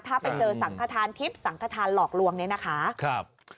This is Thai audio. ถ้าไปเจอสังขทานทิพย์สังขทานหลอกลวงเนี่ยนะคะ